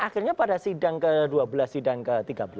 akhirnya pada sidang ke dua belas sidang ke tiga belas